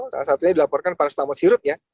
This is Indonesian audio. salah satunya dilaporkan parastamo sirup ya